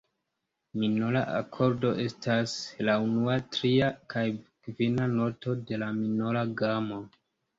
Minora akordo estas la unua, tria kaj kvina noto de la minora gamo.